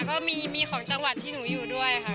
ก็มีของจังหวัดที่หนูอยู่ด้วยค่ะ